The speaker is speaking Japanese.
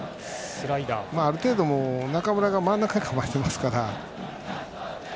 ある程度、中村が真ん中に構えてますから。